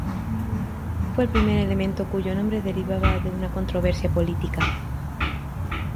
Fue el primer elemento cuyo nombre derivaba de una controversia política.